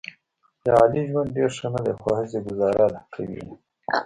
د علي ژوند ډېر ښه نه دی، خو هسې ګوزاره ده کوي یې.